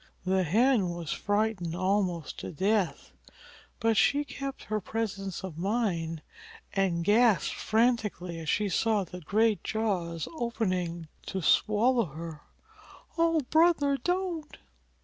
The Hen was frightened almost to death, but she kept her presence of mind and gasped frantically as she saw the great jaws opening to swallow her: "O Brother, don't!"